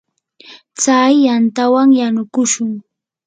tsakiy yantawan yanukushun.